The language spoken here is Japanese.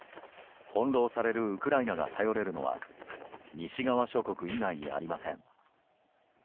翻弄されるウクライナが頼れるのは西側諸国以外にありません。